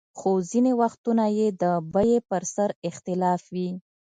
خو ځینې وختونه یې د بیې پر سر اختلاف وي.